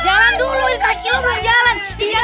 jalan dulu jalan